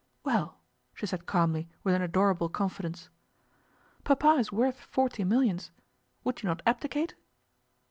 'Well!' she said calmly, with an adorable confidence. 'Papa is worth forty millions. Would you not abdicate?